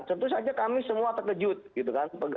tentu saja kami semua terkejut gitu kan